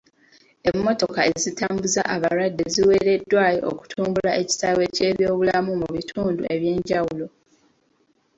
Emmotoka ezitambuza abalwadde ziweereddwayo okutumbula ekisaawe ky'ebyobulamu mu bitundu eby'enjawulo.